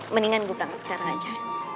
mendingan gue banget sekarang aja